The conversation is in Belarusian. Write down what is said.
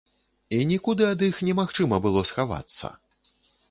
І нікуды ад іх немагчыма было схавацца.